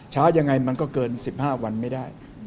ยังไงมันก็เกิน๑๕วันไม่ได้